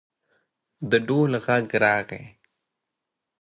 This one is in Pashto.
د ډول غږ راغی.